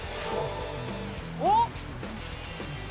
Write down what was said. おっ！